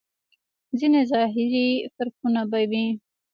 ځينې ظاهري فرقونه به وي.